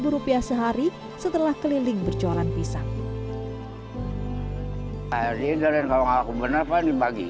sepuluh rupiah sehari setelah keliling berjualan pisang hari jalan kalau aku benar pak dibagiin